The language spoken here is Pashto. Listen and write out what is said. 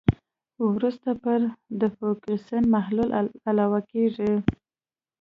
وروسته پرې د فوکسین محلول علاوه کیږي.